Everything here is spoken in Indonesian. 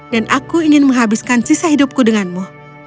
dan aku ingin menghabiskan sisa hidupku denganmu